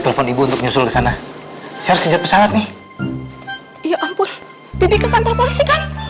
telepon ibu untuk nyusul ke sana saya kejar pesawat nih ya ampun bibir ke kantor polisi